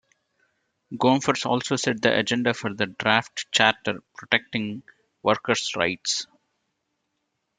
Gompers also set the agenda for the draft charter protecting workers' rights.